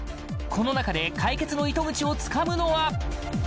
この中で解決の糸口をつかむのは！？